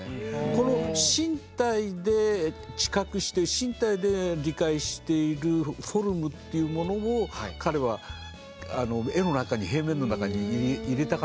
この身体で知覚して身体で理解しているフォルムというものを彼は絵の中に平面の中に入れたかったんでしょうね。